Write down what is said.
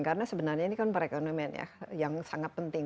karena sebenarnya ini kan perekonomian ya yang sangat penting